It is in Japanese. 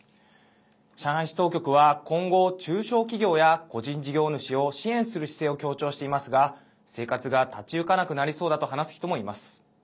上海市当局は今後、中小企業や個人事業主を支援する姿勢を強調していますが生活が立ち行かなくなりそうだと話す人もいます。